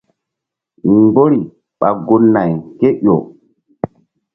Mgbori ɓa gun- nay kéƴo.